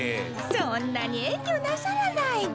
そんなにえんりょなさらないで。